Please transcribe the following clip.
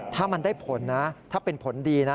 ถ้ามันได้ผลนะถ้าเป็นผลดีนะ